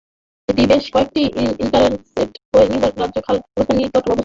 এটি বেশ কয়েকটি ইন্টারস্টেট ও নিউইয়র্ক রাজ্য খাল ব্যবস্থার নিকট অবস্থিত।